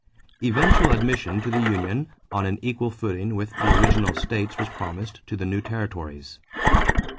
Eventual admission to the union on an equal footing with the original states was promised to the new territories.